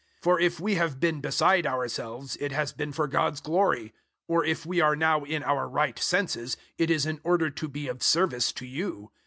005:013 For if we have been beside ourselves, it has been for God's glory; or if we are now in our right senses, it is in order to be of service to you.